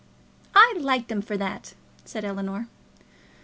"I like them for that," said Ellinor.